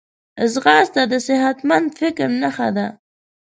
ځغاسته د صحتمند فکر نښه ده